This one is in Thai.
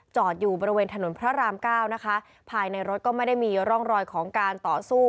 อยู่บริเวณถนนพระรามเก้านะคะภายในรถก็ไม่ได้มีร่องรอยของการต่อสู้